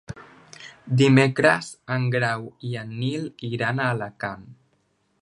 Dimecres en Grau i en Nil iran a Alacant.